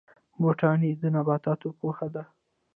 بوټاني د نباتاتو پوهنه ده